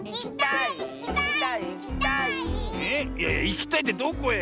いやいやいきたいってどこへよ？